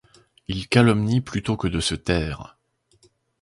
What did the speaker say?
Ils calomnient plutôt que de se taire.